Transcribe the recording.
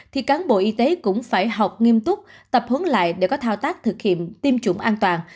thì cán bộ y tế cũng phải học nghiêm túc tập huấn lại để có thao tác thực hiện tiêm chủng an toàn